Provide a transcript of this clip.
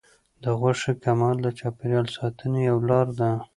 د غوښې کمول د چاپیریال ساتنې یوه لار ده.